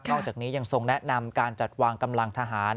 อกจากนี้ยังทรงแนะนำการจัดวางกำลังทหาร